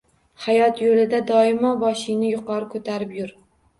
Hayot yo‘lida doimo boshingni yuqori ko‘tarib yur.